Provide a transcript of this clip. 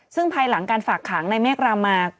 ซึ่งภายหลังการฝากขังในเมฆรามา